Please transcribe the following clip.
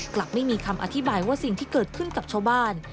กลับไม่มีคำอธิบายว่าสิ่งที่เกิดขึ้นกับชาวบ้าน